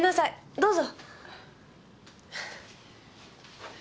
どうぞ。